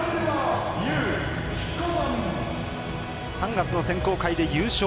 ３月の選考会で優勝。